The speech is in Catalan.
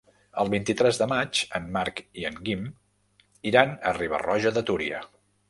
El vint-i-tres de maig en Marc i en Guim iran a Riba-roja de Túria.